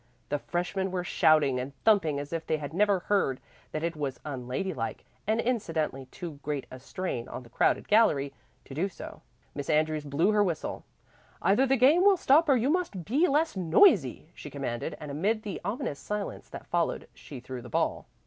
The freshmen were shouting and thumping as if they had never heard that it was unlady like (and incidentally too great a strain on the crowded gallery) to do so. Miss Andrews blew her whistle. "Either the game will stop or you must be less noisy," she commanded, and amid the ominous silence that followed she threw the ball.